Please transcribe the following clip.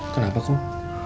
kum kenapa kum